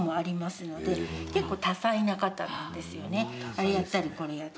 あれやったりこれやったり。